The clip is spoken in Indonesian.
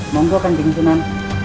monggo kanjeng sunan